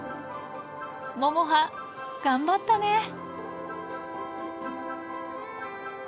ももは頑張ったね。